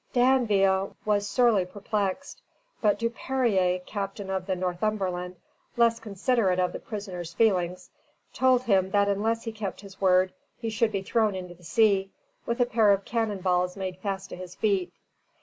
D'Anville was sorely perplexed; but Duperrier, captain of the "Northumberland," less considerate of the prisoner's feelings, told him that unless he kept his word he should be thrown into the sea, with a pair of cannon balls made fast to his feet.